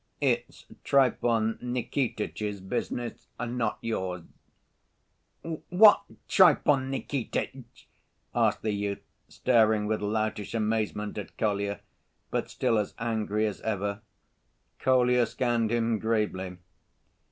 "It's Trifon Nikititch's business, not yours." "What Trifon Nikititch?" asked the youth, staring with loutish amazement at Kolya, but still as angry as ever. Kolya scanned him gravely.